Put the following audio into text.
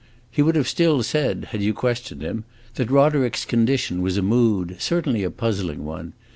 He would have still said, had you questioned him, that Roderick's condition was a mood certainly a puzzling one.